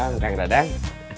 kita berdua juga